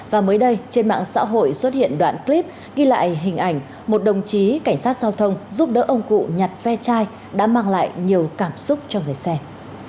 và mới đây trên mạng xã hội xuất hiện đoạn clip ghi lại hình ảnh một đồng chí cảnh sát giao thông giúp đỡ ông cụ nhặt ve chai đã mang lại nhiều cảm xúc cho người xem